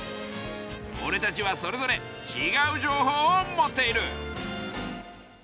おれたちはそれぞれちがう情報を持っている！